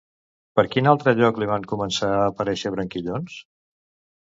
Per quin altre lloc li van començar a aparèixer branquillons?